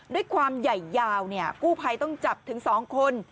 ด้วยความใหญ่ยาวกู้ภัยต้องจับถึง๒คน